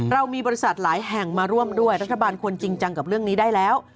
เรามีบริษัทหลายแห่งมาร่วมด้วยรัฐบาลควรจริงจังกับเรื่องนี้ได้แล้ว